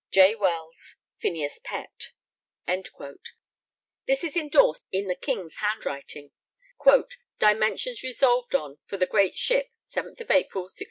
J. WELLS. PHINEAS PETT. This is endorsed in the King's handwriting: 'Dimensions resolved on for the Great Ship, 7 of April 1635.'